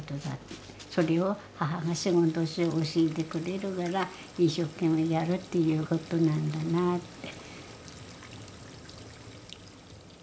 それを母が仕事仕事教えてくれるから一生懸命やるっていうことなんだなぁって。